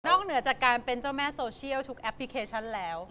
เหนือจากการเป็นเจ้าแม่โซเชียลทุกแอปพลิเคชันแล้ว